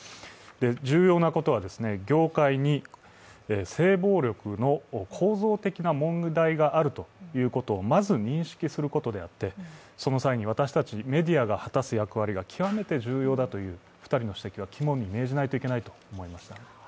重要なことは、業界に性暴力の構造的な問題があるということをまず認識することであって、その際に私たちメディアが果たす役割が極めて重要だという２人の指摘は肝に銘じないといけないと思いまた。